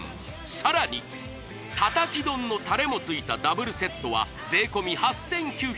さらにたたき丼のたれもついたダブルセットは税込８９８０円